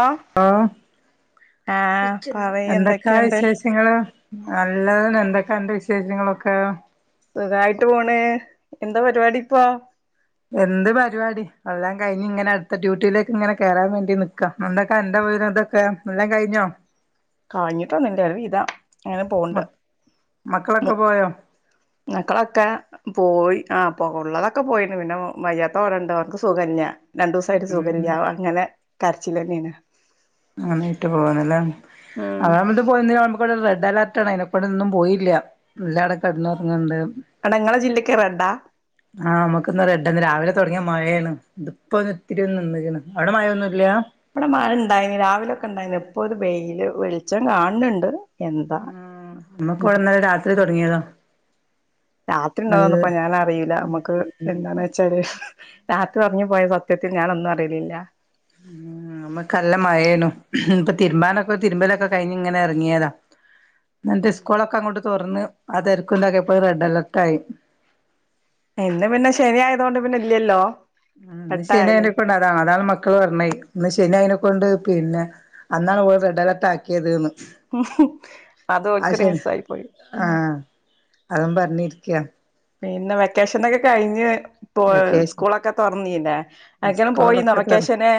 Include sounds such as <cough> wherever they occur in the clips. ആ ആഹ ആഹ് പറയ് എന്തൊക്കാ എന്തൊക്കെയുണ്ട് വിശേഷങ്ങള് നല്ലത് എന്തൊ- എന്തൊക്കെയുണ്ട് വിശേഷങ്ങളൊക്കെ സുഖായിട്ട് പോണ് എന്താ പരിപാടി ഇപ്പ എന്ത് പരിപാടി എല്ലാം കഴിഞ്ഞ് ഇങ്ങനെ അടുത്ത ഡ്യൂട്ടിയിലേക്ക് ഇങ്ങന കേറാൻ വേണ്ടി നിൽക്കാം എന്നണ്ടൊക്കെ എന്റെ- ഇതൊക്കെ എല്ലാം കഴിഞ്ഞോ കഴിഞ്ഞിട്ട്ന്നില്ല വി <unintelligible> താ അങ്ങനെ പോണ്ട് മക്കളൊക്കെ പോയോ മക്കളൊക്കെ പോയി ആ ഉള്ളതൊക്കെ പോയിണ്ട് പിന്നെ വയ്യാത്തോര ഉണ്ട് അവർക്ക് സുഖയില്ല രണ്ട ദിവസ ആയിട്ട് ഉം സുഖമില്ല അങ്ങനെ കരച്ചില തന്നെയാണ് അങ്ങനട്ട് പോവന്നല്ലേ ഉം അവിടെ നമ്മ പോയി <unintelligible> അ അലാർട്ടാണ് അതിനെക്കൂടെൊന്നും പോയില്ല എല്ലട കിടന്നുറങ്ങണ്ട് അവിടെ ഇങ്ങളെ ജില്ലക്ക് റെഡാ ആ നമുക്ക്ന്നാ എട്ടന്ന് <unintelligible> രാവിലെ തുടങ്ങിയ മഴയാണ് ഇതിപ്പോ ഒ ഇത്തിരി ഒ നിന്നക്കാണ് അവിടെ മഴയൊന്നുമല്ല ഇവിടെ മഴ ഉണ്ടായിന് രാവിലെക്കെ ഇണ്ടായിന്ന ഇപ്പൊ ഒരു വെയില് വെളിച്ചം കാണണണ്ട് ആ നമ്മക്ക് ഇവിടെന്നല്ല രാത്രി തുടങ്ങിയതാ രാത്രി ഉണ്ടാവന്നപ്പ നല്ല ഞാൻറിയില്ല നമ്മക്ക് എന്താന്ന് വെച്ചാല് രാത്രി ഉറങ്ങിപോയ സത്യത്തിൽ ഞാനൊന്നും അറിയില്ല- ഉ നമ്മ നല്ല മഴേനു ഇപ്പൊ തിരുമ്പാനൊക്കെ തിരുമ്പലൊക്കെ കഴിഞ്ഞ് ഇങ്ങനെ ഇറങ്ങിയതാ എന്താ സ്കൂൾ ഒക്കെ അങ്ങോട്ട്‌ തുറന്ന് അതരിക്കണ്ടൊക്കെ ഇപ്പോ റെഡ് അലർട്ട ആയി ഇന്ന് പിന്നെ ശനി ആയതുകൊണ്ട് പിന്നെ ഇല്ലല്ലോ ശനി എട്ടായാലും അയിനൊക്കെ ഉണ്ടതാ അതാൾ മക്കൾ പറഞ്ഞ ഇന്ന് ശനി അയി- കൊണ്ട് പിന്നെ അന്നാണ് റെഡ് അലർട്ട് ആക്കിയത് അത് ഓൾക്ക് മിസ് ആയി പോയി ആഹ് അതും പറഞ്ഞിരിക്കയാ പിന്നെ വെക്കേഷൻൊക്കെ കഴിഞ്ഞ്- ഇ വെക്കേഷൻ സ്കൂളൊക്കെ തുറന്നീല്ലെ ആരിക്കലും പോയി വെക്കേഷന്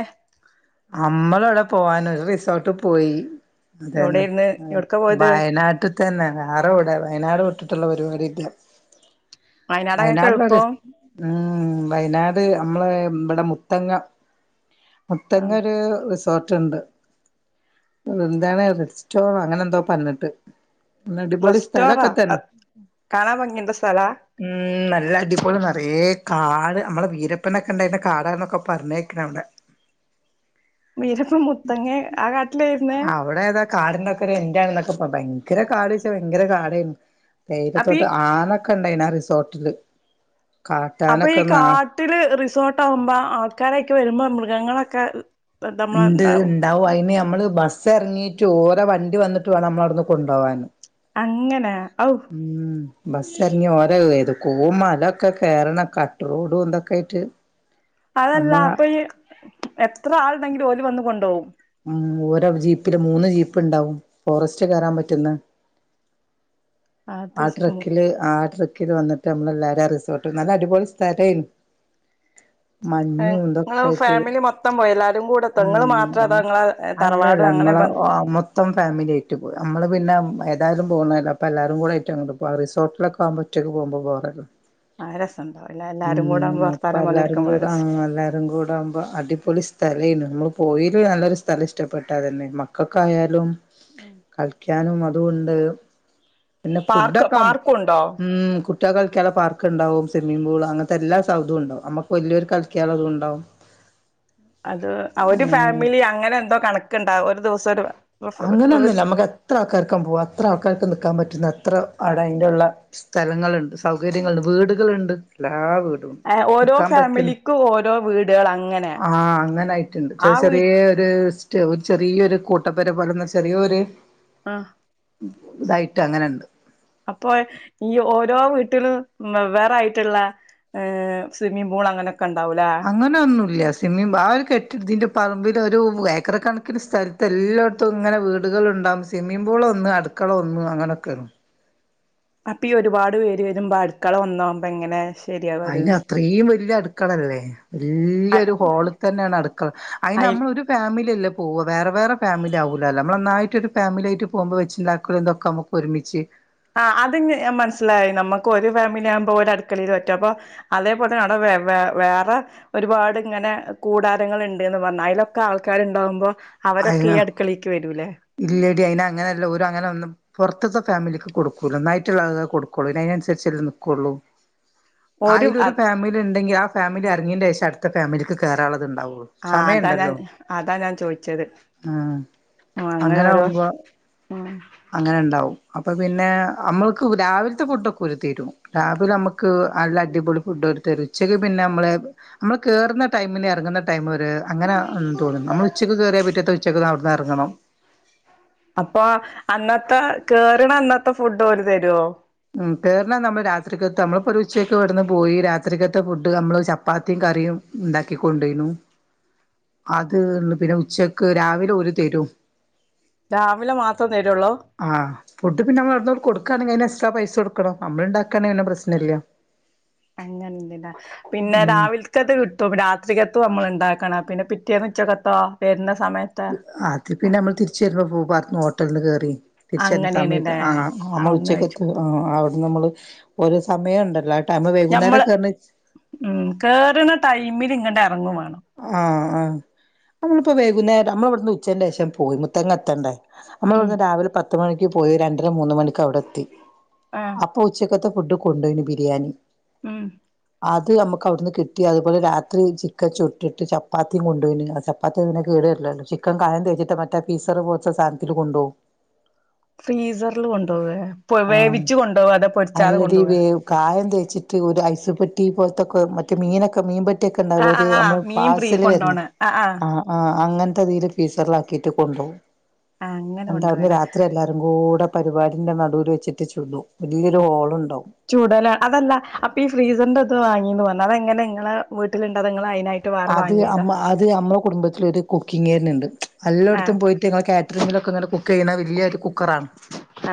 നമ്മള എവിടെ പോവാന റിസോർട്ട് പോയി അതന്നെ എവിടെയിരുന്നു എവിടക്കാ പോയത് വയനാട്ടിൽ തന്നെ വേറെവിട വയനാട്ട് പരിപാടി ഇല്ല വയനാടൊക്കെ വയനാടുള്ള എളുപ്പം ഉം വയനാട് നമ്മള് ഇവിടെ മുത്തങ്ങ മുത്തങ്ങ ആണോ ഒരു റിസോർട്ട് എന്താണ് റെഡ് സ്റ്റോർ അങ്ങനെ എന്തോ പറഞ്ഞിട്ട് ന ഡിപോളിസ് റെസ്റ്റോറാ താരക്കത്തന്ന കാണാൻ ഭംഗിയുള്ള സ്ഥലാ ഉം നല്ല ഡപോളി ഏ കാട് നമ്മളെ വീരപ്പനൊക്കെ ഇണ്ടായിന്റെ കാടന്നൊക്കെ പറഞ്ഞേക്കണ അവിടെ വീരപ്പൻ മുത്തങ്ങ ആ കാട്ടിലായിരുന്നേ അവിടെ ഏതാ കാടിന്റെ ഒക്കെ ഒരു എന്ണെന്നൊക്കെ അപ്പ ഭയങ്കര കാട് വെച്ച ഭയങ്കര കാട അപ്പൊ ഈ തേരത്തോട്ട് ആന കണ്ടെയ്നർ റിസോർട്ടില് അപ്പൊ ഈ കാട്ടാനൊക്കെ നാ കാട്ടില് റിസോർട്ട് ആകുമ്പോ ആൾക്കാരൊക്കെ വരുമ്പോ മൃഗങ്ങളൊക്കെ ഉണ്ട് നമ്മളെ ഉണ്ടാവും അയിന് നമ്മള് ബസ് ഇറങ്ങീട്ട് ഓരോ വണ്ടി വന്നിട്ട വേണംമ്മള അവിന്ന് കൊണ്ടപ പോകവാൻ അങ്ങനെ ഔ ഉം ബസ്റിഞ്ഞഞ് ഓര ഏത് പോ മല ഒക്കെ കേയറണം കട്ട് റോഡും എന്തൊക്കെ ആയിട്ട് അമ്മ അതല്ല അപ്പൊ ഈ എത്ര ആൾുണ്ടെങ്കിൽ ജോലി വന്ന കൊണ്ടുപോകും ഉ ഓരോ ജീപ്പില് മൂന്ന് ജീപ്പ് ഉണ്ടാവും ഫോറസ്റ്റ് കയറാൻ പറ്റുന്ന അത് ആ ശ മു ട്രക്കില് ആ ട്രക്ക് ത് വന്നിട്ട് നമ്മളെ എല്ലാരും റിസോർട്ട് നല്ല അടിപൊളി സ്ഥരമായിരുന്നു മഞ്ഞും ഏഹ് ഇങ്ങള് ഇതൊക്കെ ആായിട്ട് ഫാമിലി മൊത്തം പോയി എല്ലാരും കൂടെ എത്തോ ഉ ഇങ്ങള് മാത്രം അതോ ഇങ്ങളെ തറവാട് അല്ലല്ല അങ്ങനെ നമ്മള ബ മൊത്തം ഫാമിലി ആയിട്ട് പോയി നമ്മള് പിന്നെ എന്താലും പോന്നല്ല അൊ എല്ലാരും കൂ റ്റ അ ക റിസോർട്ടിലക്കെ ആവ്പറ്റേക്ക് പോക്പോ പോറല്ലോ അത് രസണ്ടാവുംല്ലേ ഉ എല്ലാരും കൂടെ ആവുമ്പോ അപ്പ വർത്താനം എല്ലാരും പറഞ്ഞിരിക്കുമ്പോ കൂടെ ആ രസം എല്ലാരും കൂടെ ആകുമ്പോ അടിപൊളി ല്ലേ നമുക്ക് പോയിൽ നല്ലൊരു സ്ഥലം ഇഷ്ടപ്പെട്ടാതന്നെ മക്കൾക്കായാലും ഉം കഠിക്കാനും അതൊണ്ട് പിന്നെ പാർക്ക് ഫുഡൊക്ക പാർക്കുണ്ടോ ഉ കുറ്റ കളിക്കുള്ള പാർക്ക് ഉണ്ടാവും സ്വിമ്മി പൂൾ അങ്ങനത്തെ എല്ലാ സൗധുംവും ഉണ്ടാവും നമക്ക് വലിയരു കളിക്കാല അും ഉണ്ടാവും <unintelligible> അത് ഒരു ഉം ഫാമിലി അങ്ങനെ എന്തോ കണക്കണ്ടാ ഒരു ദിവസം ഒരു അങ്ങനെയൊന്നുമല്ല റിസ് നമ്മുക്ക് എത്ര ആൾക്കാർക്കും പോകും അത്ര ആൾക്കാർക്ക് നൽക്കാൻ പറ്റുന്ന എത്ര അവിടെ അതിന്റെള്ള സ്ഥലങ്ങളുണ്ട് സൗകര്യങ്ങളുണ്ട് വീടുകളുണ്ട് അല്ലെ വീട ഏഹ് ഓരോ നിക്കാൻ പറ്റുന്നു ഫാമിലിക്കും ഓരോ വീടുകൾ അങ്ങനെ ആ അങ്ങനൊയിട്ടുണ്ട് ആ ചെറിയ ചെറ വീ ചെറിയ ഒരു ഒരു ചെറിയൊരു കൂട്ടപ്പേരെ പോലുന്ന ചെറിയൊരു ആഹ് ഇതായിട്ട് അങ്ങനെണ്ട് അപ്പൊ ഈ ഓരോ വീട്ടിലും വ് വേറായിട്ടുള്ള ഹ് സ്വിമ്മിംഗ് പൂൾ അങ്ങനെ അങ്ങനെ ഒന്നുംല്ല സ്വിമ്മിംഗ ആ ഒരു കെട്ടിടതിൻ്റെ പറമ്പിൽ ഒരു ഏക്കരക്കണക്കിന് സ്ഥലത്ത് എല്ലായിടത്തും ഇങ്ങനെ വീടുകള ണ്ട സ്വിമ്മിംഗ പൂൾ ഒന്ന് അടുക്കള ഒന്ന് അങ്ങനെയൊക്കെ അപ്പൊ ഒരുപാട് പേര് വരുമ്പോൊ അടുക്കള ഒന്നോുമ്പ ഇങ്ങനെ അയിന് അത്രയും വലിയ അടുക്കളല്ലേ അ വല്യൊ ഒരു ഹോളിൽ തന്നെയാണ് അടുക്കള അയിന് അയ് നമ്മ ഒരു ഫമിലി അല്ല പോവുക വേറെ വേറെ ഫാമിലി ആകല്ലോ നമ്മള നന്നായിട്ടൊ ഒരു ഫാമിലി ആട്ട് പോകുമ്പോ വച്ചിണ്ടാക്കള എന്തൊക്കെ നമുക്ക് ഒരുമിച്ച് ആ് അത്ഞാ മനസിലായി നമുക്ക് ഒരു ഫാമിലി ആകുമ്പോ ഒരു അടുക്കളയിൽ പറ്റും അപ്പോഅതേപോലെന്നെ അവിടെ വ വേറെ ഒരുപാട് ഇങ്ങനെ കൂടാരങ്ങൾ ഉണ്ട് എന്ന് പറഞ്ഞാൽ അതിലൊക്കെ ആൾക്കാരുണ്ടാകുമ്പോൾ അവരൊക്കെ ഈ അയ അടുക്കളേക്ക് വരൂല്ലേ അങ്ങനെല്ല ഒരു അങ്ങനെ ഒന്നന്ന് പുറത്തത്തെ ഫാമിലിക്ക് കൊടുൂല്ലോ നായിട്ടുള്ളളെ കൊടുക്കുള്ളൂ ഇതിനനുസരിച്ചല്ല നൽക്കുകയുള്ളൂ അയിലൊ ഒരു ഫാമിലി ഉണ്ടെങ്കിൽ ആ ഫാമിലി അറങ്ങിന്റെ ശേഷം അടുത്ത ഫാമിലിക്ക് കയറുള്ളത് ഉണ്ടാവും ആഹ അതാ ഞാൻ അതാ ഞാൻ ചോദിച്ചു ഉം ആ അങ്ങന അങ്ങനെ ഓരോ ആവുമ്പോ ഉം അങ്ങനെ ഉണ്ടാവും അപ്പൊ പിന്നെ നമ്മൾക്ക് രാവിലത്തെ ഫുഡൊക്കെ ഉരു തീരും രാവിലെ നമ്മുക്ക് ടിപൊളി നമ്മ നമ്മ ഇറ അങ്ങനെ തോന്നുന്നു നമ്മൾ ഉച്ചക്ക് കേയറിയ പറ്റിയത്ത ഉച്ചക്ക് അവിടുന്ന് ഇറങ്ങണം അപ്പൊ അന്നത്തെ കേറണ അന്നത്തെ ഫുഡ് ഓര് തരുവോ കയറാൽ നമ്മൾ രാത്രിക്കകത്ത് നമ്മളിപ്പോൾ ഒരു ഉച്ചയയ്ക്ക്െ ഇവിടുന്ന് പോയി രാത്രിക്കത്ത് ഫുഡ് നമ്മൾ ചപ്പാത്തിയും കറിയും ഉണ്ടാക്കിക്കൊണ്ടോനു അത് ഉള്ള പിന്നെ ഉച്ചക്ക് രാവിലെ ഒരുഓ തരും രാമിലെ മാത്രം തരുള്ളൂ ആഹ് ഫഡ് പിന്നെമ്മ ഇവിോൂ കൊടുക്കാണെങ്കിൽ അ പൈസ കൊടുക്കണം നമ്മള ഉണ്ടാക്കാന ഇങ്ങനെ പ്രശ്നം ഇല്ല അങ്ങനെ ഇണ്ടില്ല പിന്നെ രാവിലക്കത്ത് കിട്ടും രാത്രിക്കത്തും നമ്മള ഉണ്ടാക്കണ പിന്നെ പിറ്റേന്ന്ച്ചോക്കത്തോ വരുന്ന സമയത്ത് ആതി പിന്നെ നമ്മൾ തിരിച്ച വരുമ്പോ പോ പററു ഹോട്ടലി ക കേയറി തിരിച്ചരുന്ന സമയത്ത് അങ്ങനെയണല്ലേ ആ നമ്മൾ അവിടുന്ന് ഉച്ചയ്ക്ക് കഴിച്ചു അവിടെ നമ്മള് ഒരു സമയം ഉണ്ടല്ലോ ടൈമ് വൈകുന്നേരം ഞമ്മള് കേറണ ഉം കേയറുന്ന ടൈമിൽ ഇങ്ങട്ട ഇറങ്ങു വേണം ആഹ ആ് നമ്മളിപ്പോ വൈകുന്നേരം നമ്മള ഇവിടുന്ന് ഉച്ചന്റെ ശേഷം പോയി മുത്തങ്ങ എത്തണ്ടേ നമ്മൾ ഉം ഇവിടു രാവിലെ പത്തുമണിക്ക് പോയി രണ്ടര മൂന്ന് മണിക്ക് അവിടെ എത്തി ആഹ് അപ്പൊ ഉച്ചക്ക ഫുഡ് കൊണ്ടുപയിന് ബിരിയാണി ആഹ അത് നമുക്ക് അവിടുന്ന് കിട്ടി അതുപോലെ രാത്രി ചിക്ക ചുട്ട ട്ട് ചപ്പാത്തിയും കൊണ്ടപ ആ ചപ്പാത്തി അനെ കേടല്ലല്ലോ ചിക്കൻ കായം വെച്ചിട്ട മറ്റേ പീ പോ സധനത്തി കൊണ്ട ഫ്രീസറിൽ കൊണ്ടുപോവ ആഹ് വേവിിച്ചച്ച് കൊണ്ടുപോവാ അതെ പൊടിച്ചാതെ കൊണ്ടുപോവ ് ഐസ് പെട്ടി പോലത്തൊക്കെ മറ്റ മീനൊക്കെ മീൻ പെട്ടി ആഹ് ആഹ് ആഹ് ണ്ടമ്മ മീൻ ഫ്രീ പസൽ കൊണ്ടോണ ആഹ് ആഹ് ൽ ഫീസറിലാക്കിയിട്ട് കൊണ്ടുപോും ആഹ് അങ്ങനെ എണ്ട് കൊണ്ടോവല രാത്രി എല്ലാവാരും കൂടെ പരിപാടിന്റെ നടുവൽ വച്ചിട്ട് ചുതു വലിയരുഓളുണ്ട് ചൂടല അതല്ല അപ്പൊ ഈ ഫ്രീസറിന്റെ അത് വാങ്ങീന്ന് പറഞ്ഞു അതെങ്ങനെ നിങ്ങളെ വീട്ടിലുണ്ട അ നിങ്ങ അത് അമ്മ അത് അമ്മ കുടുംബത്തിലൊ ഒരു കുക്കിങ് തന്നെ ഉണ്ട് എല്ലായിടത്തും ആഹ് പോയിട്ട് ങ്ങ കാറ്ററിങ്ങിലൊക്കെ ഇങ്ങനെ കുക്ക് ചെയ്യുന്ന വല്ിയ ഒരു കുക്കറാണ്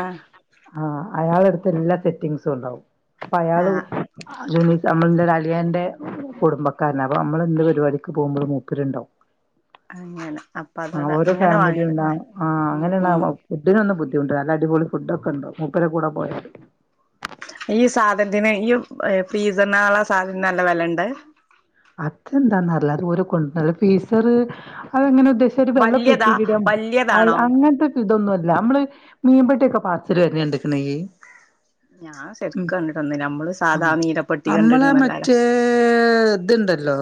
ആഹ് ആഹ അയാളടുത്ത് എല്ലാ സെറ്റിങ്സും ഉണ്ടാവും അപ്പൊ അയാള് ആഹ് ജൂനീസ് നമ്മള ഒരു അലിയാന്റെ കുടുംബക്കാരനാവോ നമ്മള എന്ത് പരിപാടിക്ക് പോകുമ്പോൾ മൂപ്പരുണ്ടാവും അങ്ങനെ അപ്പൊ ആ അതോടെ ഓരോ അങ്ങനെ ഫാമിലിയ വാങ്ങണതാ ഉണ്ടാവ ആ് ഉം അങ്ങനെയ ഉം ഫുഡിനൊന്നും ബുദ്ധിമുട്ട അല്ല അടിപൊളി ഫുഡ ഒക്കെ ഉണ്ടോ മൂപ്പര കൂടെ പോയ ഈ സാധനത്തിന് ഈ പീസ എന്നള്ള സാധനം നല്ല വിലുണ്ട് അതെന്താന്നല്ല അത് ര കൊണ്ടന്ന പീസർ അതങ്ങനെ രി വല്യതാ വെള്ളംപ്പെെട്ടിരും വല്യതാണോ അങ്ങനത്തെ ഇതൊന്നുംല്ല നമ്മള് മീൻപെട്ടിയൊക്കെ പാച്ചര് വരെ എണ്ടക്കണ ഞാൻ ശെരിക്കക്ക് കണ്ടിട്ട് വന്ന നമ്മള് സാധാ നീര പൊട്ടി കണ്ടിടന്നല്ലാര ഇത്ണ്ടല്ലോ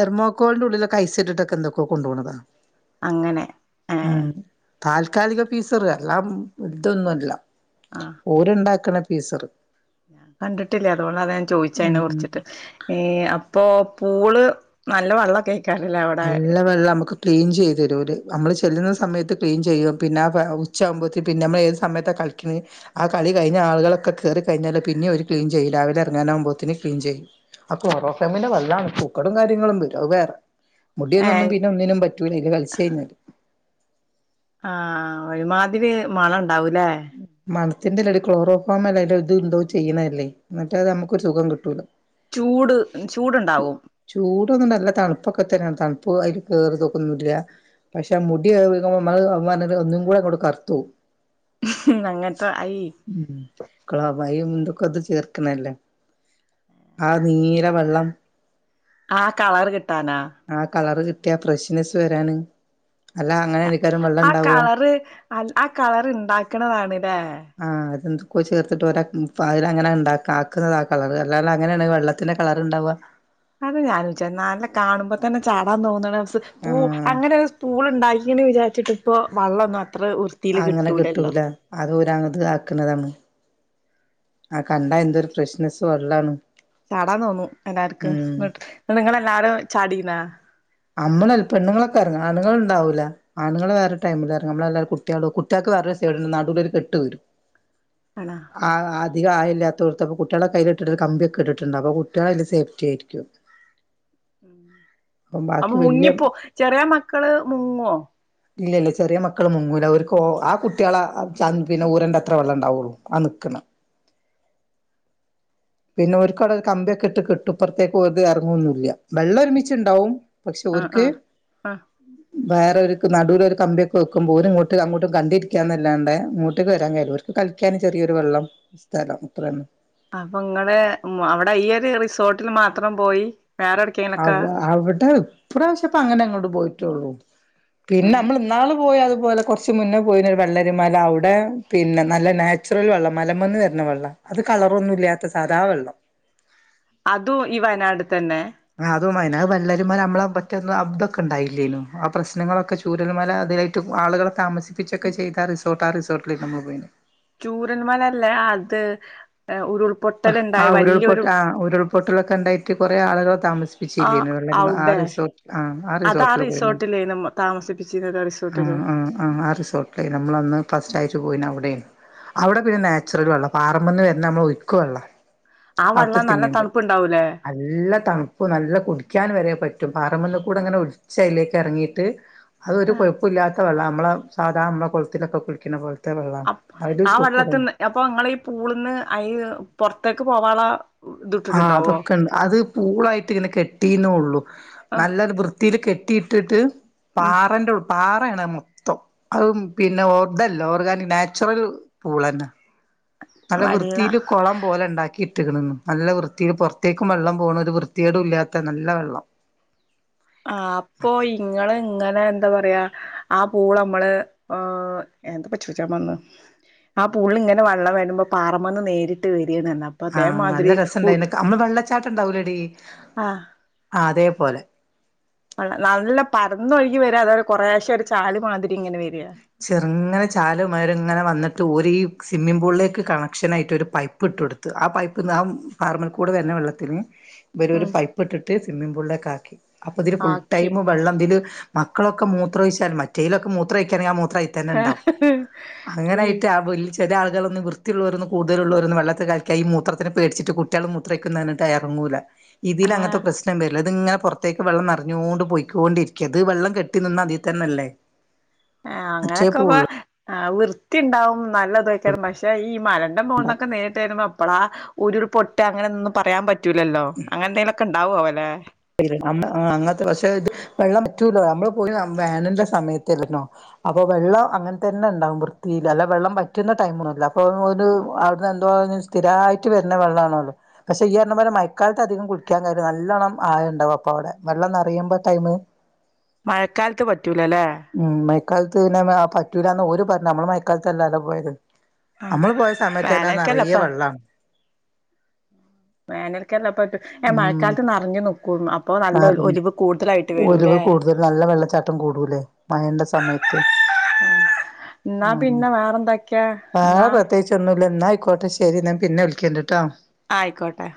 െർമോക്കോളിന്റെ ഉള്ളിലൊ കഴിച്ചട്ടിട്ടൊക്കെ എന്തൊക്കെ കൊണ്ടുപോണതാ അങ്ങനെ ഏ ഉം താൽക്കാലിക പീസറ് എല്ലാം ഇതൊന്നുമല്ല ആഹ് ഓരുണ്ടാക്കണ പീസറ് ഞാൻ കണ്ടിട്ടില്ലേ അതുകൊണ്ട അത ഞാൻ ചോദിച്ച അെ ഉം കുറിച്ചിട്ട് ഇപ്പോൊ പൂള് നല്ല വെള്ളമൊക്കെ ആ നല്ല വെള്ളം നമുക്ക് ക്ലീൻ ചെയ്തു തരുൂല് നമ്മൾ ചെല്ലുന്ന സമയത്ത് ക്ലീൻ ചെയ്യും പിന്നെ ഉച്ച ആകുമ്പോഴത്തേ പിന്നെ നമ്മൾ ഏത് സമയത്താണ് കളിക്കുന്നത് ആ കളി കഴിഞ്ഞ ആളുകളൊക്കെ കേയറി കഴിഞ്ഞാല് പിന്നെ ഒരു ക്ലീൻ ചെയ്യും രാവിലെ ഇറങ്ങാനാകുമ്പോത്തന് ക്ലീൻ ചെയ്യും കൊറോഫമിന്റെ വല്ലതാണ് പൂക്കടും കാര്യങ്ങളും വരും അ വേറെ മുടിയന്നൊന്നും ഏഹ് പിന്നെ ഒന്നിനും പറ്റൂല ഇല് കളിച്ച കഴിഞ്ഞത് ആഹ ഒഴിമാതിരി മണ ഉണ്ടാവൂലേ അത്തിന്റെ ഒരു ക്ലോറോഫോം അല്ല ഇത് ഇണ്ടോ ചെയ്യുന്നതല്ലേ എന്നിട്ട് അത് നമുക്ക്രു സുഖം കിട്ടൂല്ല ചൂട് ചൂടുണ്ടാവും ചൂടൊന്നുംണ്ടല്ല തണുപ്പൊക്കെ തന്നെയാണ് തണുപ്പ അപ്പ അതിൽ കയറി തോക്കന്നില്ല പക്ഷെ മുടിക്കുമ്പോ നമ്മള് പറ ഒന്നും കൂടെ അങ്ങോട്ട് കറത്തു അങ്ങനത്തെ അയ് കളബയും ക്കത് ചേർക്കണല്ലേ ആ നീല വെള്ളം ആഹ് കളർ കിട്ടി ആ കളറ് കിട്ടിയ ഫ്രഷ്നെസ്സ് വരാന് അല്ല അതെ അങ്ങനെ ആയിരിക്കാരം വെള്ളം ആ ഇണ്ടാവ കളറ് അ ആ കളർ ഇണ്ടാക്കണതാണ്ല്ലേ ആഹ് അതെന്തക്കോ ചേർത്തിട്ട് പോരാ അതില അങ്ങനെ ഉണ്ടാക്ക കാക്കുന്നത കളർല്ലും അങ്ങനെയാണ് വെള്ളത്തി കളർുണ്ടാവുക അത് ഞാൻ വിച്ച നല്ല കാണുമ്പോ തന്നെ ചാടാൻ തോന്ന ആഹ് അങ്ങനെ ഒരുൂള ഉണ്ടാക്കന്ന് വിചാരിച്ചിട്ട് ഇപ്പ വെള്ളൊന്ന അങ്ങനെ കിട്ടൂല അത് ഒരുങ്ങത് ആക്കുന്നതാണ് ആ കണ്ട എന്തൊരു ഫ്രഷ്നെസ്സ് വെള്ളാണ് ചാടാൻ തോന്നു എല്ലാർക്കും് ഉം നിങ്ങളെല്ലാരും ചാടീന്നാ അമ്മള് പെണ്ണുങ്ങളൊക്കെ ഇറങ്ങ ആണുങ്ങണ്ടാവില്ല ആണുങ്ങൾ വേറെ ടൈമില ഇറങ്ങ നമ്മളല്ലും കുട്ടട കുട്ടികെ നടു കെട്ട് വരും ആണോ ആ അധികം ആ ഇല്ലാത്തോടത്തപ്പ കുട്ടികളെ കയ്യില് ഇട്ടിട്ട് കമ്പി ഒക്കെ ഇട്ടിട്ടുണ്ട് അപ്പൊ കുട്ടികള് അതില് സേഫ്റ്റി ആയിരിക്കും അപ്പം അമ്മ ബാക്കി വല്യ മുങ്ങിപ്പോ ചെറിയ മക്കള് മുങ്ങോ ഇല്ലല്ല ചെറിയ മക്കൾും മുങ്ങൂല അവർക്ക് ആ കുട്ടികളെ പിന്നെ ഊരന്റെ അത്ര വെള്ളം ഉണ്ടാവുള്ളു ആ നൽക്കണം <unintelligible> പിന്നെ ഒരു കട കമ്പിയൊക്കെ ഇട്ട് കെട്ട്പ്പുറത്തേക്ക് പോത് ഇറങ്ങുവൊന്നില്ല വെള്ളം ഒരുമിുണ്ടാവും ആഹ് ആഹ് ആഹ് വേറെൊ നടുൂര ഒരു കമ്പിയൊക്കെ വെക്കുമ്പോല ഇങ്ങോട്ടും അങ്ങോട്ടും കണ്ടിരിക്കാന്നല്ലാണ്ട് വരാൻ ക അവർക്ക് കളിക്കാൻ ചെറിയൊ വെള്ളം സ്ഫും അത്ര അപ്പൊ ഇങ്ങടെ അവിടെ ഈ ഒരു റിസോർട്ടിൽ മാത്രം പോയി വേറെ എവിടക്കെങ്കിലൊക്കെ അവ അവിടെ ഇപ്രാവശ്യപ്പ അങ്ങനെ അങ്ങോട്ട് പോയിട്ടുള്ളൂ പിന്നെ നമ്മൾ ഇന്നാള് പോയാ അത് അതുപോലെ കുറച്ച മുന്നേ പോയിുന്നൊ ഒരു വെള്ളരിമാല അവിടെ പിന്നെ നല്ല നാച്ചുറൽ വെള്ളം മലമന്ന് വരണ വെള്ളം അത് കളറൊന്നും ഇല്ലാത്ത സാധാ വെള്ളം അതും ഈ വയനാട് തന്നെ ആ അതും അയന്നെ വള്ളരിമല നമ്മള പറ്റ അബ്തൊക്കെ ഉണ്ടായില്ലേനു ആ പ്രശ്നങ്ങളൊക്കെ ചൂരൽമല അതിലായിട്ട് ആളുകളെ താമസിപ്പിച്ചൊക്കെ ചെയ്ത ആ റിസോർട്ട് ആ റിസോർട്ടിലമ്മള് പോയിന് ചൂരൽ മലല്ലേ അത് ഉരുൾ ആ ഉരുൾപൊട്ട ആ ഉരുൾപൊട്ടലൊക്കെ ഉണ്ടായിട്ട് കൊറെേ ആളുകളെ ആ താമസിപ്പിച്ചില്ല്യേനാ അവിടെ റിസോട് ആ ആ അത് റിസോർട്ടിൽ പോയിന് റിസോർട്ടിലേന്നു താമസിപ്പിച്ചിരുന്നത് ആ റിസോർട്ടില് ആ ആ ആ റിസോർട്ട് അല്ലെ നമ്മളന്ന് ഫസ്റ്റ് ആയിട്ട് പോയിന അവിടെ അവിടെ പിന്നെ നാച്ചുറൽ വള്ളാ. പാറമന്ന് വന്ന നമ്മള് ഒയ്ക്ക് വള്ളാ ആ അവിടുത്തെ വെള്ളം നല്ല സിമ്മിം പൂ- തണുപ്പുണ്ടാവൂലേ നല്ല തണുപ്പ് നല്ല കുടിക്കാൻ വരെ പറ്റും റ്റും പാറമന്ന് കൂടെ അങ്ങനെ ഒലിച്ച യിലേക്കെറങ്ങീട്ട് അതൊരു കുഴപ്പമില്ലാത്ത ഇല്ല നമ്മള സാധാ നമ്മള കെൾത്തിലൊക്കെ കുളിക്കുന്ന പോലത്തെ വെള്ളമാണ് അ അതില് ആ സൂക്കേടൊന്നും വെള്ളത്തിന്ന് അപ്പൊ ഇങ്ങള് ഈ പൂളിന്ന് ഈ പൊർത്തേക്ക് പോവാള്ള ആഹ് ഇതിട്ടിട്ടുണ്ടാവോ അതൊക്കെണ്ട്. അത് പൂളായിട്ട് ഇങ്ങനെ കെട്ടീന്നേള്ളു. ആ നല്ലൊരു വൃത്തിൽ കെട്ടി കെട്ടിട്ട് ഉം പാറൻ്റെള്ള് പാ നാണ് മൊത്തം. അത് പിന്നെ ഓർഗാനി നാച്ചുറൽ പൂളന്നെ നല്ല വെള്ള വൃത്തിയില് കുളം പോലെ ഉണ്ടാക്കി ഇട്ട്ക്ണു നല്ല വൃത്തി പുറത്തേക്കും വെള്ളം പോകണ ഒരു വൃത്തികേടുല്ല്യാത്ത നല്ല വെള്ളം ആ അപ്പൊ ഇങ്ങള് ഇങ്ങനെ എന്താ പറയാ ആ പൂള് നമ്മള് ഏ എന്തപ്പ ചോയിച്ചാൻ വന്ന് ആ പൂള് ൽ ഇങ്ങനെ വള്ളം വേടുമ്പോ പാറമ്മന്ന് നേരിട്ട് വ ആന് നല്ല രസണ്ടായ്ന് നമ്മള് വെള്ളച്ചാട്ടം ഉണ്ടാവൂലടി ആ ആ അതെ പോലെ നല്ല പരന്നൊഴുകി വരാ അതെ കൊറേശ്യ ഒരു ചാലി മാതിരിങ്ങനെ വരിക ചെറുങ്ങനെ ചാലു മാതിരിങ്ങനെ വന്നിട്ട് ഒരീ സ്വിമ്മിംഗ് പൂളിലേക്ക് കണക്ഷനായിട്ട് ഒരു പൈപ്പിട്ട് കൊടുത്തു ആ പൈപ്പിന്ന് ആ പാറമേൽ കൂടെ വരുന്ന വള്ളത്തിന് ഇവര് ഒരു ഉം പൈപ്പിട്ടിട്ട് സ്വിമ്മിംഗ് പൂളിലേക്കാക്കി. അപ്പൊ ഇതില് ഫുൾ ആക്കി ടൈം വെള്ളം ഇതില് മക്കളൊക്കെ മൂത്രൊഴിച്ചാ മറ്റേയ്ലൊക്കെ മൂത്രംഴിക്കാണെങ്കി ആ മുത്ര ത്രം അയ്ത്തന്നെ ഉണ്ടാവും അങ്ങനായിട്ട ആ വല്ല്യ ചില ആളുകളൊന്നും വൃത്തിയുള്ളോരൊന്നും കൂടുതലുള്ളരൊന്നും വെള്ളത്തി കളിക്ക ഈ മൂത്രത്തിന് പേടിച്ചിട്ട് കുട്ടികള് മൂത്രഒയ്ക്കുന്ന് പറഞ്ഞിട്ട് ഇറങ്ങൂല്ല ഇതിലങ്ങനത്തെ ആഹ് പ്രശ്നം വരില്ല അതിങ്ങനെ പുറത്തേക്ക് വെള്ളം നിറഞ്ഞോണ്ട് പൊയ്ക്കിണ്ടിരിക്കാ. ഇത് വെള്ളം കെട്ടി നിന്ന അതി തന്നെല്ലേ ആ അച്ചേ അങ്ങനൊക്കെ പ പോവുള്ളൂ ആ വൃത്തി ഉണ്ടാവും നല്ലതേകാലും പക്ഷേ ഈ മലെന്റെ മോൾന്നൊക്കെ നേരിട്ട് വരുമ്പോ എപ്പളാ ഉരുൾ പൊട്ടുക അങ്ങനെന്നൊന്നും പറയാൻ പറ്റൂലല്ലോ അങ്ങനെന്തെങ്കിലൊക്കെണ്ടാവോ ലേ <unintelligible> അന്ന് അങ്ങനത്തെ പക്ഷെ ഇത് വെള്ളം വറ്റൂല്ലോ നമ്മള് പോയീ വേനലിന്റെ സമയത്തല്ലെന്നോ അപ്പൊ വെള്ളം അങ്ങനെ തന്നെ ഉണ്ടാകും വൃത്തീല്. അല്ല വെള്ളം വറ്റുന്ന ടൈമുണ്ടല്ലോ അപ്പൊ ഒരു അവിടുന്നെന്തോ സ്ഥിരമായിട്ട് വരുന്ന വെള്ളാണല്ലോ. പക്ഷെ ഇയ് പറഞ്ഞ പോലെ മയക്കാലത്ത് അധികം കുളിക്കാൻ കേര്യ നല്ലോണ്ണം ആയം ണ്ടാവും അപ്പ അവിടെ വെള്ളം നറയുമ്പോ ടൈമ് മഴക്കാലത്ത് പ ഉം മയക്കാലത്ത് പിന്നെ ആ പറ്റൂല്ലാന്ന് ഓരു പറഞ്ഞു നമ്മള് മയക്കാലത്ത് തന്നെയല്ലെ പോയത് ആഹ് നമ്മള് പോയ സമയത്തന്നെ അത് നറയെ വെള്ളാണ് വേനൽകാല്ലാ പറ്റും എ മഴക്കാലത്ത് നറഞ്ഞു നിക്കൂന്ന് അ നറഞ്ഞ് ഒലിവ് കൂടുതൽ നല്ല വെള്ളച്ചാട്ടം കൂടൂലേ മഴന്റെ സമയത്ത് ഉം എന്നാ ഉം പിന്നെ വേറെന്തൊക്കെയാ വേറെ ന്നാ പ്രത്യേകിച്ചൊന്നുല്ല എന്നാ ആയിക്കോട്ടെ ശരി ഞാൻ പിന്നെ വിളിക്കണ്ട്ട്ടോ ആയിക്കോട്ടെ